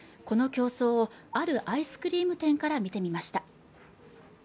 この競争をあるアイスクリーム店から見てみました